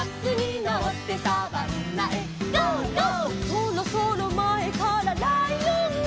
「そろそろ前からライオン」